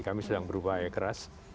kami sedang berubah air keras